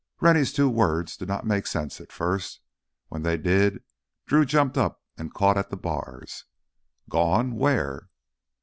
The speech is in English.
Rennie's two words did not make sense at first. When they did, Drew jumped up and caught at the bars. "Gone? Where?"